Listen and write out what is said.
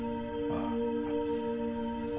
ああ。